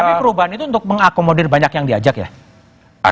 tapi perubahan itu untuk mengakomodir banyak yang diajak ya